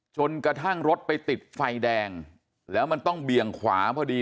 จนกระทั่งรถไปติดไฟแดงแล้วมันต้องเบี่ยงขวาพอดี